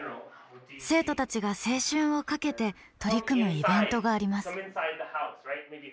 生徒たちが青春をかけて取り組むイベントがあります。